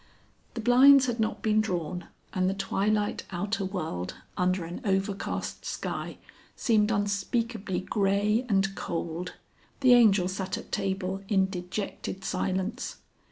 The blinds had not been drawn, and the twilight outer world under an overcast sky seemed unspeakably grey and cold. The Angel sat at table in dejected silence.